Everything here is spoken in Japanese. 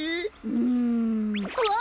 うんああ！